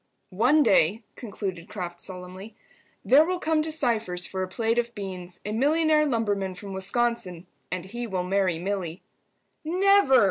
"One day," concluded Kraft, solemnly, "there will come to Cypher's for a plate of beans a millionaire lumberman from Wisconsin, and he will marry Milly." "Never!"